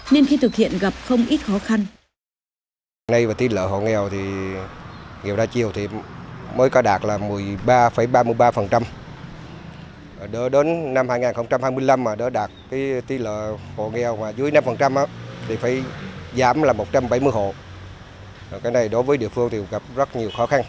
nên khi thực hiện gặp không ít khó khăn